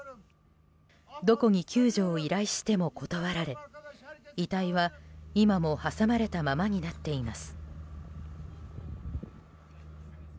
どこに救助を要請しても断られ遺体は今も挟まれたままになっています。